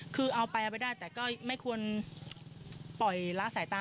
คือเอาไปเอาไปได้แต่ก็ไม่ควรปล่อยละสายตา